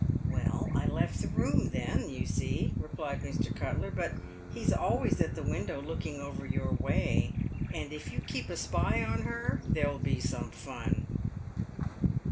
3 Well, I left the room then, you see," replied Mr. Cuttler ;" but he's always at the window looking over your way, and if you keep a spy on her, there'll be some fun."